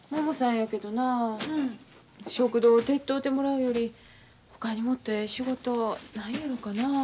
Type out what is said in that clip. やけどな食堂を手伝うてもらうよりほかにもっとええ仕事ないんやろかな。